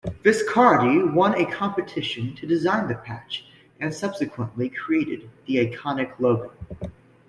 Viscardi won a competition to design the patch, and subsequently created the iconic logo.